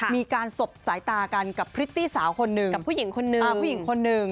มีการสบสายตากันกับพริตตี้สาวคนนึง